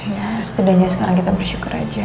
ya setidaknya sekarang kita bersyukur aja